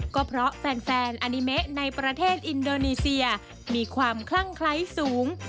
ก็เพราะแฟนอานิเมะในประเทศอินโดนีเซียมีความคลั่งไคร้สูง